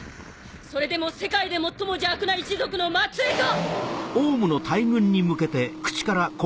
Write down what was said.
それでも世界で最も邪悪な一族の末裔か！